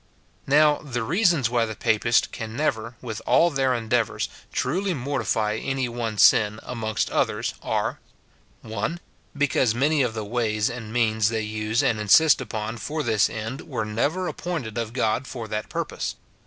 Now, the reasons why the Papists can never, with all their endeavours, truly mortify any one sin, amongst others, are, — (1.) Because many of the ways and means they use and insist upon for this end were never appointed of God for that purpose.